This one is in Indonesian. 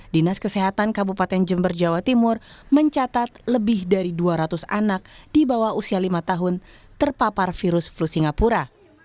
dinas kesehatan kabupaten jember jawa timur mencatat lebih dari dua ratus anak di bawah usia lima tahun terpapar virus flu singapura